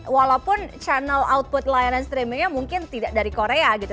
walaupun channel output layanan streamingnya mungkin tidak dari korea gitu